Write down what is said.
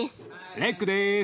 レックです。